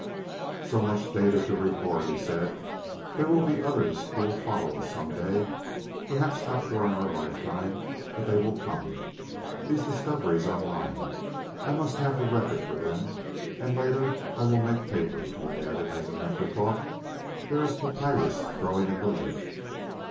"So much data to record," he said. "There will be others who will follow us some day. Perhaps not during our lifetime, but they will come. These discoveries are mine; I must have the records for them.... And later I will make paper," he added as an afterthought; "there is papyrus growing in the lake."